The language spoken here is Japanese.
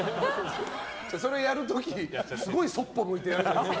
それやる時すごいそっぽ向いてやるじゃん。